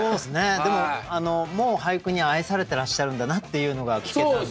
でももう俳句に愛されてらっしゃるんだなっていうのが聞けたんで。